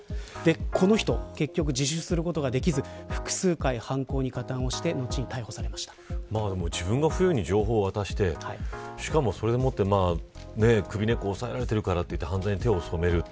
この人、結局自首することができず複数回、犯行に加担した後に自分が不用意に情報を渡してしかも、それで首根っこを押さえられてるからといって犯罪に手を染める。